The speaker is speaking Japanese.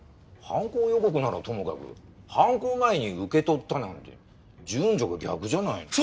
犯行予告ならともかく犯行前に「受け取った」なんて順序が逆じゃない？